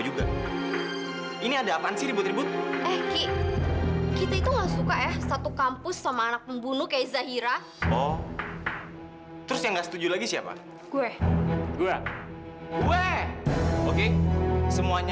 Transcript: di sini ada sebuah jururawat di sini